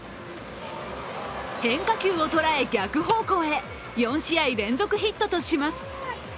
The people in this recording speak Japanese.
変化球を捉え、逆方向へ４試合連続ヒットとします。